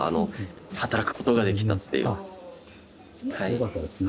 よかったですね。